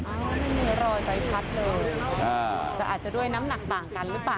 ไม่มีรอยใบพัดเลยอ่าแต่อาจจะด้วยน้ำหนักต่างกันหรือเปล่า